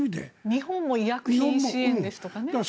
日本も医薬品支援ですとかね。